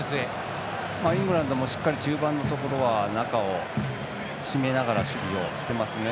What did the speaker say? イングランドもしっかり中盤のところは中を締めながら守備をしてますね。